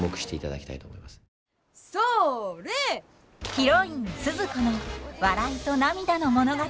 ヒロインスズ子の笑いと涙の物語。